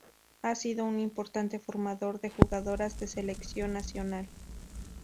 Ha sido un importante formador de jugadoras de selección nacional.